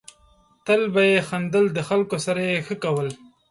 تل به یې خندل ، د خلکو سره یې ښه کول.